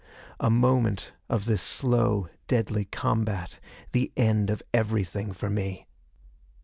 A moment of this slow deadly combat the end of everything for me.